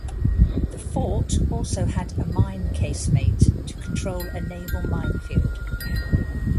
The fort also had a mine casemate to control a naval minefield.